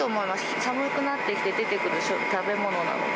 寒くなってきて出てくる食べ物なので。